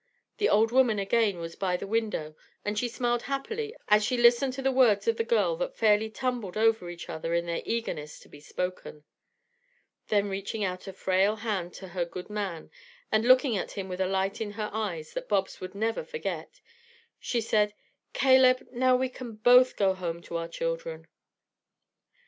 The little old woman again was by the window and she smiled happily as she listened to the words of the girl that fairly tumbled over each other in their eagerness to be spoken. Then reaching out a frail hand to her "good man," and looking at him with a light in her eyes that Bobs would never forget, she said: "Caleb, now we can both go home to our children."